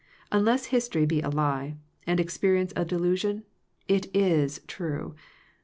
Unless history be a lie, and experience a delusion, it is true.